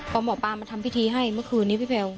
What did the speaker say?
พอหมอปลามาทำพิธีให้เมื่อคืนนี้พี่แพลว